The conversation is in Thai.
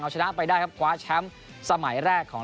ชนะไปได้ครับคว้าแชมป์สมัยแรกของ